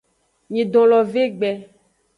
Nyidon lo ve egbe.